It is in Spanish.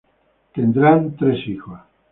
Tendrán tres hijos.